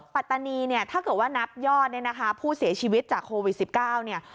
ปัตตานีถ้าเกิดว่านับยอดผู้เสียชีวิตจากโควิด๑๙